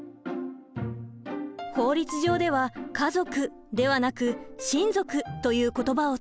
法律上では「家族」ではなく「親族」という言葉を使うの。